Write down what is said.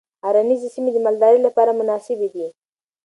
غرنیزې سیمې د مالدارۍ لپاره مناسبې دي.